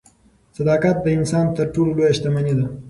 صداقت د انسان تر ټولو لویه شتمني ده.